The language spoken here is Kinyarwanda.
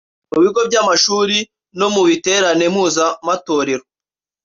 mu bigo by’amashuri no mu biterane mpuzamatorero